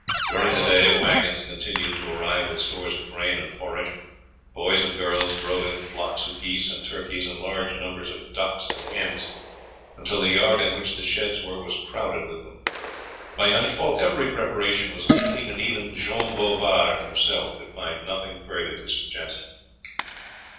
During the day waggons continued to arrive with stores of grain and forage; boys and girls drove in flocks of geese and turkeys and large numbers of ducks and hens, until the yard in which the sheds were was crowded with them. By nightfall every preparation was complete, and even Jean Bouvard himself could find nothing further to suggest.